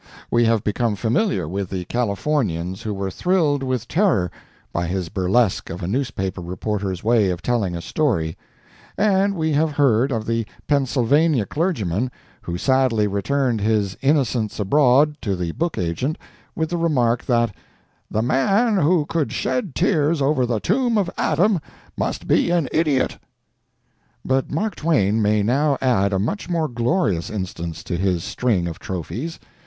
We have become familiar with the Californians who were thrilled with terror by his burlesque of a newspaper reporter's way of telling a story, and we have heard of the Pennsylvania clergyman who sadly returned his Innocents Abroad to the book agent with the remark that "the man who could shed tears over the tomb of Adam must be an idiot." But Mark Twain may now add a much more glorious instance to his string of trophies.